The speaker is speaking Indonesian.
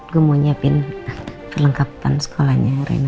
gue mau siapin kelengkapan sekolahnya rena